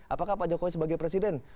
apakah pak jokowi sebagai presiden